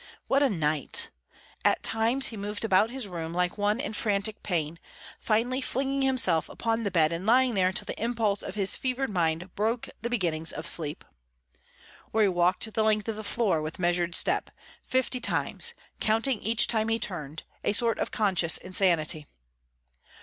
What a night! At times he moved about his room like one in frantic pain, finally flinging himself upon the bed and lying there till the impulse of his fevered mind broke the beginnings of sleep. Or he walked the length of the floor, with measured step, fifty times, counting each time he turned a sort of conscious insanity.